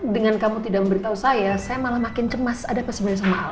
dengan kamu tidak memberitahu saya saya malah makin cemas ada apa sebenarnya sama allah